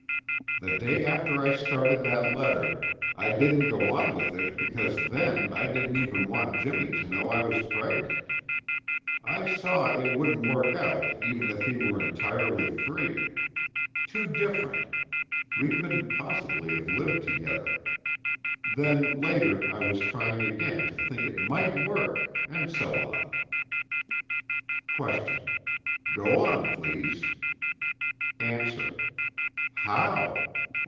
The day after I started that letter, I didn't go on with it because then I didn't even want Jimmy to know I was pregnant. I saw it wouldn't work out even if he were entirely free. Too different. We couldn't possibly have lived together. Then later I was trying again to think it might work and so on. QUESTION: Go on, please. ANSWER: How?